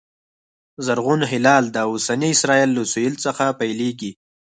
زرغون هلال د اوسني اسرایل له سوېل څخه پیلېږي